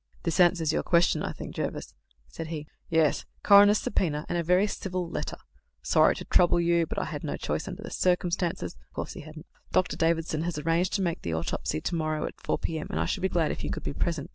"This answers your question, I think, Jervis," said he. "Yes; coroner's subpoena and a very civil letter: 'sorry to trouble you, but I had no choice under the circumstances' of course he hadn't 'Dr. Davidson has arranged to make the autopsy to morrow at 4 p.m., and I should be glad if you could be present.